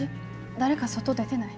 誰か外出てない？